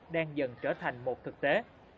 đang dần trở thành một thực tế